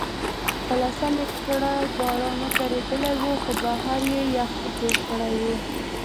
خلاصه مې کړل، باران درېدلی و، خو بهر یې یخ جوړ کړی و.